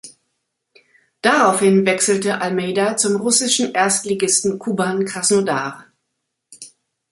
Daraufhin wechselte Almeida zum russischen Erstligisten Kuban Krasnodar.